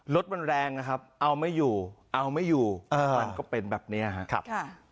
รถมันแรงนะครับเอาไม่อยู่เอาไม่อยู่มันก็เป็นแบบนี้ครับ